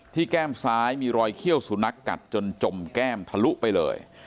แก้มซ้ายมีรอยเขี้ยวสุนัขกัดจนจมแก้มทะลุไปเลย